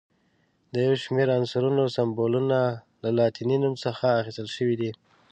د یو شمېر عنصرونو سمبولونه له لاتیني نوم څخه اخیستل شوي دي.